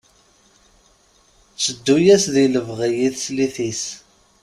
Tteddu-yas di lebɣi i teslit-is.